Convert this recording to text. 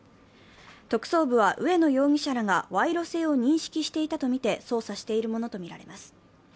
特捜部は、植野容疑者らが賄賂性を認識していたとみて捜査しているものとみられます。